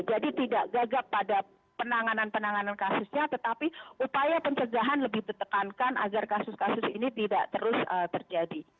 jadi tidak gagap pada penanganan penanganan kasusnya tetapi upaya pencegahan lebih ditekankan agar kasus kasus ini tidak terus terjadi